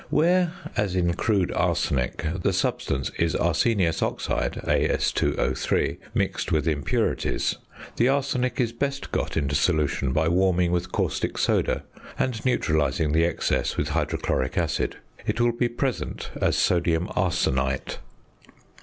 ~ Where, as in crude arsenic, the substance is arsenious oxide (As_O_) mixed with impurities, the arsenic is best got into solution by warming with caustic soda, and neutralising the excess with hydrochloric acid; it will be present as sodium arsenite.